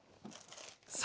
さあ